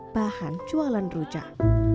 bahan jualan rujak